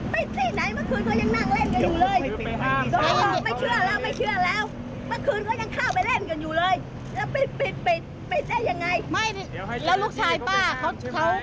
บอกว่าปิดปิดปิดปิดยังไงเมื่อคืนก็ยังเล่นกันอยู่เลย